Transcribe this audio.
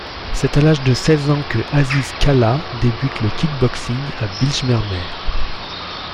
C'est à l'âge de seize ans que Aziz Kallah débute le kickboxing à Bijlmermeer.